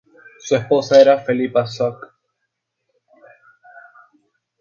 Su esposa era Felipa Soc.